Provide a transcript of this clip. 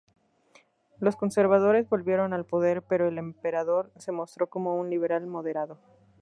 Los conservadores volvieron al poder, pero el emperador se mostró como un liberal moderado.